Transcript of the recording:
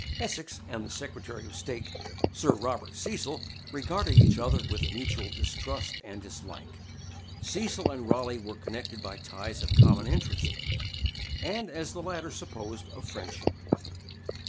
Essex, and the Secretary of State, Sir Robert Cecil, regarded each other with mutual distrust and dislike. Cecil and Raleigh were connected by ties of common interest, and, as the latter supposed, of friendship.